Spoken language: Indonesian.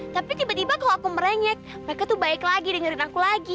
tapi tiba tiba kalau aku merengek mereka tuh baik lagi dengerin aku lagi